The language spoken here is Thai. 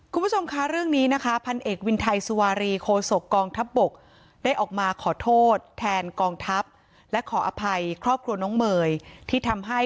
คุณผู้ชมคะเรื่องนี้นะคะพันเอกวินไทยสุวารีโคศกกองทัพบกได้ออกมาขอโทษแทนกองทัพและขออภัยครอบครัวน้องเมย์ที่ทำให้